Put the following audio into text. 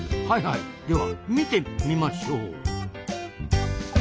はいはいでは見てみましょう。